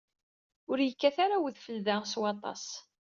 Ur yekkat ara udfel da s waṭas.